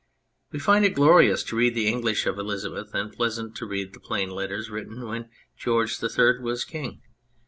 We find it glorious to read the English of Elizabeth, and pleasant to read the plain letters written when George the Third was King.